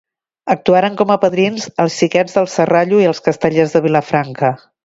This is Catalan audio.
Actuaren com a padrins els Xiquets del Serrallo i els Castellers de Vilafranca.